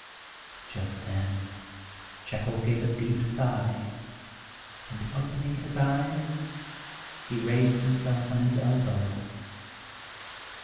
Just then Jekyll gave a deep sigh, and opening his eyes, he raised himself on his elbow.